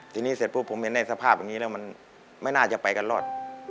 ทีนี้เสร็จปุ๊บผมเห็นในสภาพอย่างนี้แล้วมันไม่น่าจะไปกันรอด